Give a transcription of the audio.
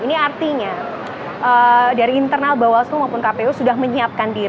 ini artinya dari internal bawah seluruh maupun kpu sudah menyiapkan